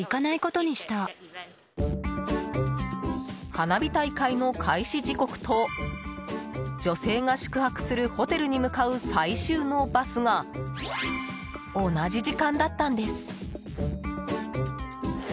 花火大会の開始時刻と女性が宿泊するホテルに向かう最終のバスが同じ時間だったんです。